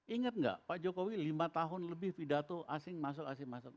ingat nggak pak jokowi lima tahun lebih pidato asing masuk asing masuk